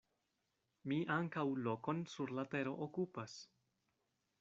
Mi ankaŭ lokon sur la tero okupas.